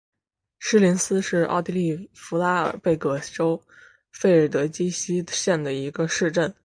施林斯是奥地利福拉尔贝格州费尔德基希县的一个市镇。